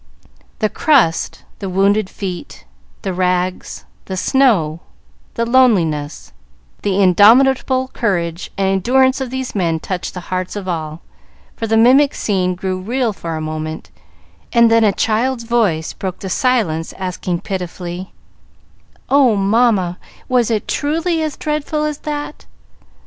The crust, the wounded feet, the rags, the snow, the loneliness, the indomitable courage and endurance of these men touched the hearts of all, for the mimic scene grew real for a moment; and, when a child's voice broke the silence, asking pitifully, "Oh, mamma, was it truly as dreadful as that?"